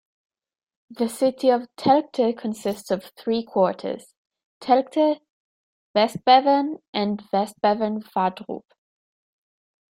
The city of Telgte consists of three quarters: Telgte, Westbevern and Westbevern Vadrup.